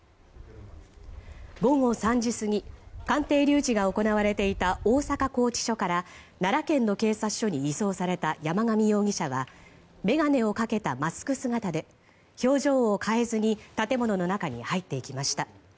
午後３時過ぎ鑑定留置が行われた大阪拘置所から奈良県の警察署に移送された山上容疑者は眼鏡をかけたマスク姿で表情を変えずに建物の中に入っていきました。